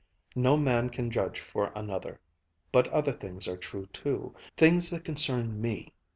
No man can judge for another. But other things are true too, things that concern me.